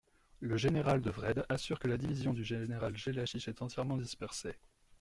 Le général de Wrede assure que la division du général Jellachich est entièrement dispersée.